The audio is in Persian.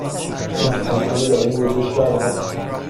هیچ الکلی در این وجود دارد؟